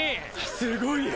すごいよ。